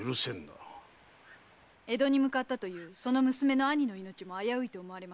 江戸に向かったというその娘の兄の命も危ういと。